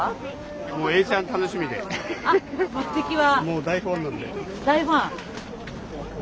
あっ目的は。